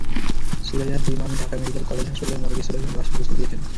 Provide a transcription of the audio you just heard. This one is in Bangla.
সুরাইয়ার দুই মামি ঢাকা মেডিকেল কলেজ হাসপাতালের মর্গে সুরাইয়ার লাশের গোসল দিয়েছেন।